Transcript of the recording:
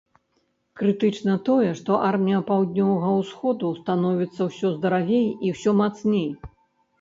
Крытычна тое, што армія паўднёвага ўсходу становяцца ўсё здаравей і ўсё мацней.